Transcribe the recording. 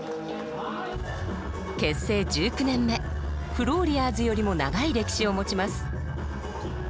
フローリアーズよりも長い歴史を持ちます。